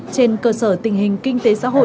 trên cơ sở tình hình kinh tế